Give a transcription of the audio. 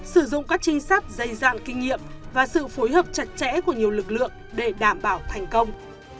sử dụng các trinh sát dày dạn kinh nghiệm và sự phối hợp chặt chẽ của nhiều lực lượng để đảm bảo thành công